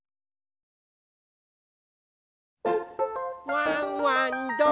ワンワンどこだ？